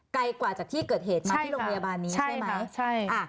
ไกลกว่าจากที่เกิดเหตุมาที่โรงพยาบาลนี้ใช่ไหมใช่ค่ะ